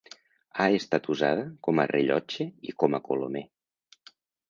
Ha estat usada com a rellotge i com a colomer.